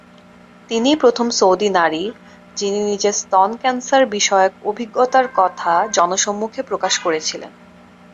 তিনিই প্রথম সৌদি নারী, যিনি নিজের স্তন ক্যান্সার বিষয়ক অভিজ্ঞতার কথা জনসম্মুখে প্রকাশ করেছিলেন।